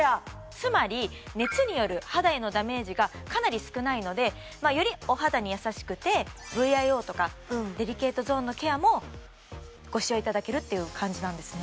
つまり熱による肌へのダメージがかなり少ないのでよりお肌に優しくてＶＩＯとかデリケートゾーンのケアもご使用いただけるっていう感じなんですね